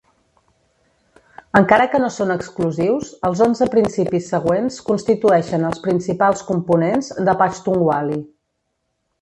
Encara que no són exclusius, els onze principis següents constitueixen els principals components de Pashtunwali.